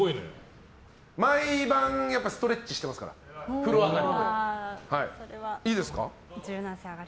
毎晩、ストレッチしてますから風呂上がり。